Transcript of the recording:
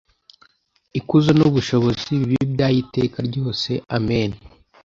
Ikuzo n ubushobozi bibe ibyayo iteka ryose Amen